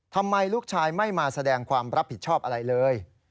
ทำไมลูกชายไม่มาแสดงความรับผิดชอบอะไรเลย